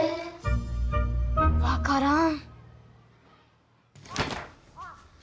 わからん。